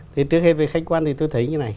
thế trước khi về khách quan thì tôi thấy như thế này